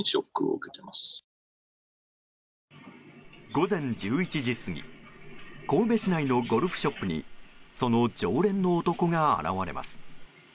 午前１１時過ぎ神戸市内のゴルフショップにその常連の男が現れます。